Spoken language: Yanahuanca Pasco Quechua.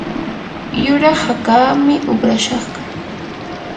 yuraq hakaami uqrakashqa.